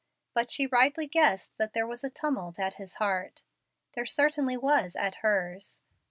But she rightly guessed that there was tumult at his heart. There certainly was at hers.